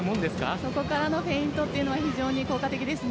そこからのフェイントは非常に効果的ですね。